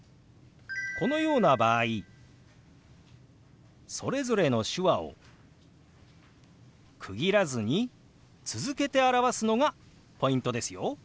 このような場合それぞれの手話を区切らずに続けて表すのがポイントですよ。